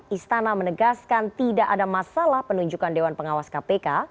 istana menegaskan tidak ada masalah penunjukan dewan pengawas kpk